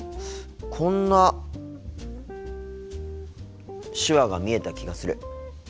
こんな手話が見えた気がする。